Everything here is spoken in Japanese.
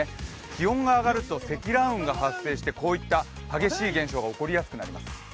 気温が上がると積乱雲が発生してこういった激しい現象が起こりやすくなります。